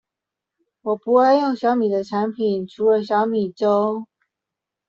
我不愛用小米的產品，除了小米粥